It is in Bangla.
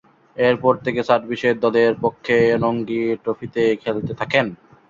এরপর থেকে সার্ভিসেস দলের পক্ষে রঞ্জী ট্রফিতে খেলতে থাকেন।